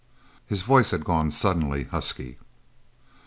His voice had gone suddenly husky.